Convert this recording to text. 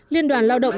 liên đoàn lao động